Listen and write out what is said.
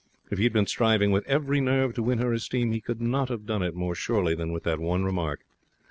If he had been striving with every nerve to win her esteem, he could not have done it more surely than with that one remark.